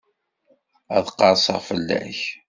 Ad qerseɣ fell-ak.